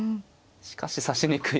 しかし指しにくい。